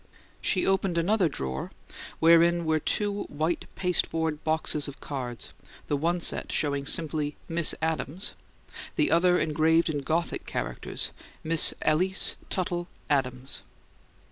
She opened another drawer wherein were two white pasteboard boxes of cards, the one set showing simply "Miss Adams," the other engraved in Gothic characters, "Miss Alys Tuttle Adams."